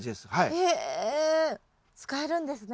へえ使えるんですね